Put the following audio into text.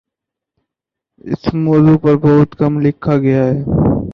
اس موضوع پر بہت کم لکھا گیا ہے